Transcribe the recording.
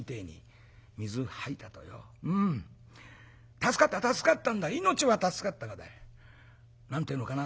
助かった助かったんだ命は助かったがだ何て言うのかな